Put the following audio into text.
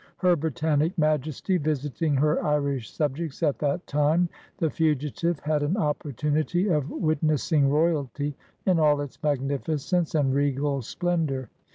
Her Brittanic Majesty visiting her Irish subjects at that time, the fugitive had an opportunity of witnessing Royalty in all its magnificence and regal splendor.